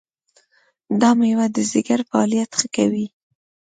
دا مېوه د ځیګر فعالیت ښه کوي.